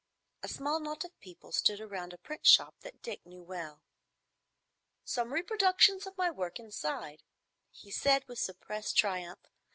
A small knot of people stood round a print shop that Dick knew well. "Some reproduction of my work inside," he said, with suppressed triumph.